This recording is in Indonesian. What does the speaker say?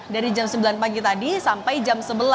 dari jam sembilan pagi tadi sampai jam sebelas